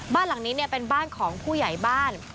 บ้านหลังนี้เป็นบ้านของผู้ใหญ่บ้าน